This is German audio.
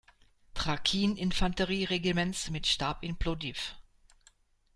Thrakien-Infanterie-Regiments mit Stab in Plowdiw.